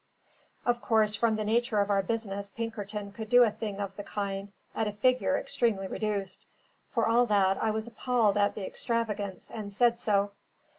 Of course, from the nature of our business, Pinkerton could do a thing of the kind at a figure extremely reduced; for all that, I was appalled at the extravagance, and said so.